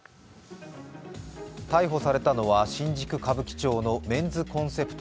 逮捕されたのは新宿・歌舞伎町のメンズコンセプト